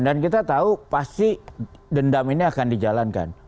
dan kita tahu pasti dendam ini akan dijalankan